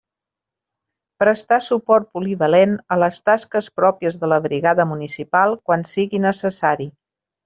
Prestar suport polivalent a les tasques pròpies de la Brigada municipal quan sigui necessari.